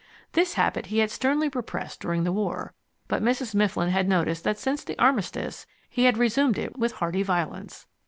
This habit he had sternly repressed during the War, but Mrs. Mifflin had noticed that since the armistice he had resumed it with hearty violence.